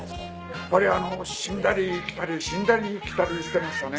やっぱり死んだり生きたり死んだり生きたりしてましたね。